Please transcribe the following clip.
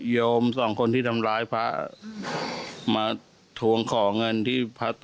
โยมสองคนที่ทำร้ายพระมาทวงขอเงินที่พระต่อ